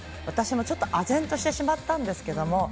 私もちょっとあぜんとしてしまったんですけど